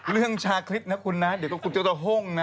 เรื่องชาคริ๊ทนะคุณนะคุณก็คงจะหงนะ